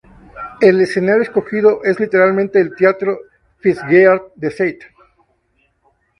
El escenario escogido es literalmente el del teatro Fitzgerald de St.